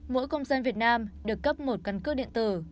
mỗi công dân việt nam được cấp một căn cước điện tử